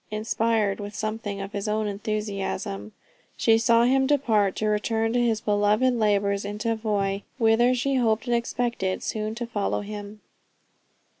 Inspired with something of his own enthusiasm, she saw him depart, to return to his beloved labors in Tavoy, whither she hoped and expected soon to follow him.